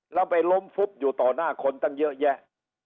แล้วไปล้มฟุบอยู่ต่อหน้าคนตั้งเยอะแยะ